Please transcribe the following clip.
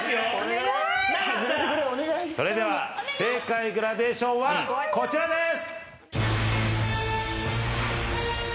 それでは正解グラデーションはこちらです！